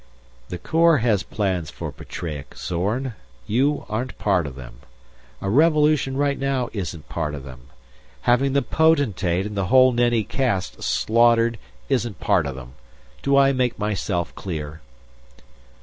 "The Corps has plans for Petreac, Zorn. You aren't part of them. A revolution right now isn't part of them. Having the Potentate and the whole Nenni caste slaughtered isn't part of them. Do I make myself clear?"